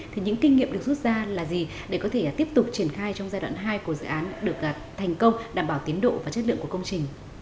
thì những kinh nghiệm được rút ra là gì để có thể tiếp tục triển khai trong giai đoạn hai của dự án được thành công đảm bảo tiến độ và chất lượng của công trình